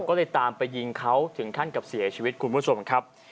ก็เลยตามไปยิงเขาถึงขั้นกับเสียชีวิตคุณผู้ชมครับ